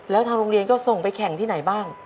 แล้วทางโรงเรียนก็ส่งไปแข่งที่ไหนบ้าง